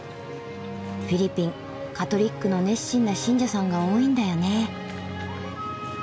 フィリピンカトリックの熱心な信者さんが多いんだよね。